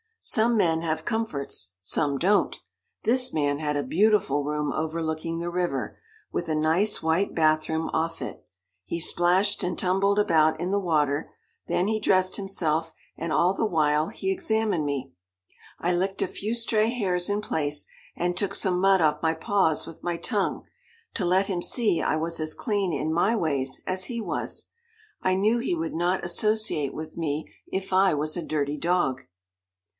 Some men have comforts, some don't. This man had a beautiful room overlooking the river, with a nice, white bath room off it. He splashed and tumbled about in the water, then he dressed himself, and all the while he examined me. I licked a few stray hairs in place, and took some mud off my paws with my tongue, to let him see I was as clean in my ways as he was. I knew he would not associate with me if I was a dirty dog.